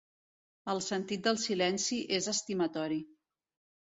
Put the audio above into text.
El sentit del silenci és estimatori.